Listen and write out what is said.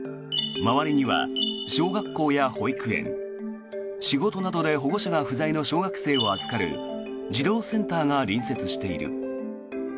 周りには小学校や保育園仕事などで保護者が不在の小学生を預かる児童センターが隣接している。